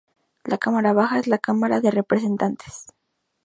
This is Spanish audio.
La cámara baja es la Cámara de Representantes.